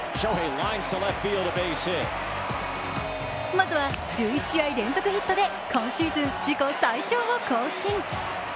まずは１１試合連続ヒットで今シーズン自己最長を更新。